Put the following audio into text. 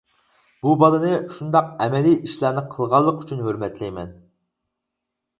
بۇ بالىنى شۇنداق ئەمەلىي ئىشلارنى قىلغانلىقى ئۈچۈن ھۆرمەتلەيمەن.